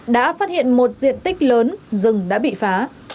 đã phát hiện một diện tích lớn rừng đã bị phá